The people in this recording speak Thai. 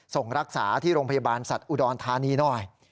ส่งรักษาที่โรงพยาบาลสัตว์อุดรธานีหน่อย